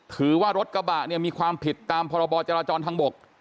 ถือว่ารถกระบะเนี่ยมีความผิดตามพรบจราจรทางบก